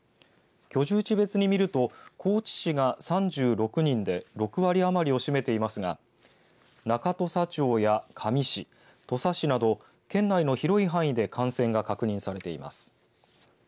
居住地別にみると高知市が３６人で６割余りを占めていますが中土佐町や香美市土佐市など、県内の広い範囲で感染が確認されています。